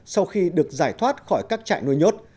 sau khi được giải thoát khỏi các trại nuôi nhốt